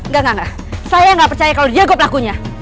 gak gak gak saya gak percaya kalau diego pelakunya